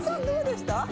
どうでした？